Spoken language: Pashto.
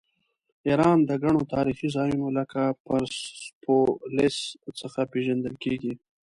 ایران د ګڼو تاریخي ځایونو لکه پرسپولیس څخه پیژندل کیږي.